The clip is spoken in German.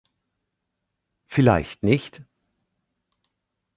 Vielleicht nicht?